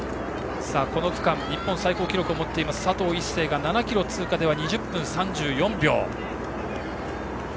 この区間、日本最高記録を持つ佐藤一世のタイムは７ｋｍ通過では２０分３４秒。